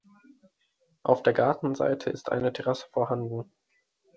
Auf der Gartenseite ist eine Terrasse vorhanden.